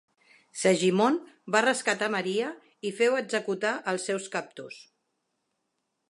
Segimon va rescatar Maria i feu executar els seus captors.